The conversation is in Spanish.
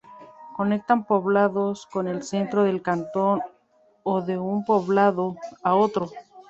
Conectan poblados con el centro del cantón o de un poblado a otro.